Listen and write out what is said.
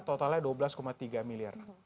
totalnya dua belas tiga miliar